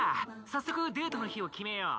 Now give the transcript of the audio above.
早速デートの日を決めよう。